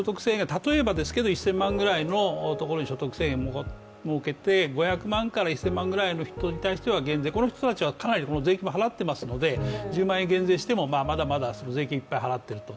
１０００万円ぐらいのところに所得税をつけて５００万から１０００万ぐらいの人に対してはかなり税金を払っていますので１０万円減税してもまだまだ税金いっぱい払っていると。